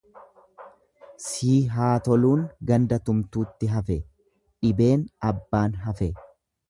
"""Sii haa toluun"" ganda tumtuutti hafe, dhibeen abbaan hafe."